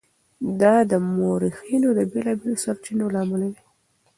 دا د مورخینو د بېلابېلو سرچینو له امله وي.